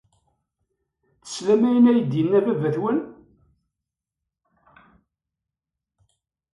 Teslam ayen ay d-yenna baba-twen.